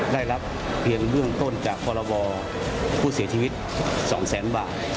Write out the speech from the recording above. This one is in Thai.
ได้รับเพียงเบื้องต้นจากพรบผู้เสียชีวิต๒แสนบาท